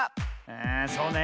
あそうね。